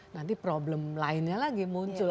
nanti problem lainnya lagi muncul